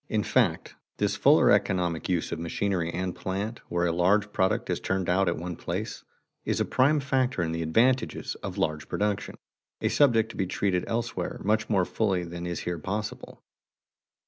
In fact this fuller economic use of machinery and plant where a large product is turned out at one place, is a prime factor in the advantages of large production, a subject to be treated elsewhere much more fully than is here possible.